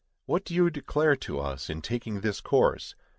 What do you declare to us, in taking this course?